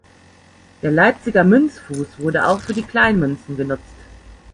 Der Leipziger Münzfuß wurde auch für die Kleinmünzen genutzt.